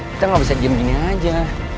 kita gak bisa game gini aja